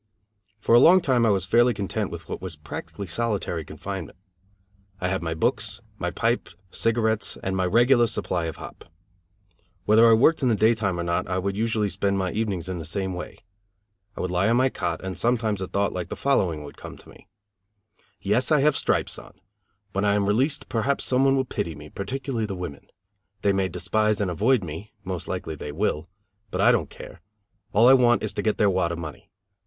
For a long time I was fairly content with what was practically solitary confinement. I had my books, my pipe, cigarettes and my regular supply of hop. Whether I worked in the daytime or not I would usually spend my evenings in the same way. I would lie on my cot and sometimes a thought like the following would come to me: "Yes, I have stripes on. When I am released perhaps some one will pity me, particularly the women. They may despise and avoid me, most likely they will. But I don't care. All I want is to get their wad of money.